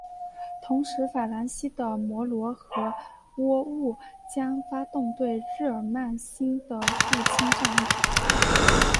同时法兰西的莫罗和喔戌将发动对日耳曼新的入侵战役。